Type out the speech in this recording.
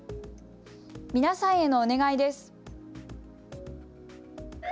皆さんへのお願いです。